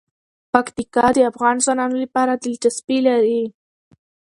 پکتیکا د افغان ځوانانو لپاره دلچسپي لري.